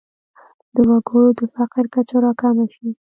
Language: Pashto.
د وګړو د فقر کچه راکمه شي.